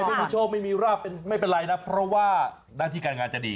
ไม่มีโชคไม่มีราบเป็นไม่เป็นไรนะเพราะว่าหน้าที่การงานจะดี